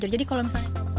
jadi kalau misalnya